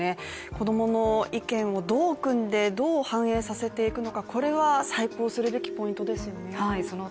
子供の意見をどう汲んで、どう反映させていくのか、これは再考するべきポイントですよね。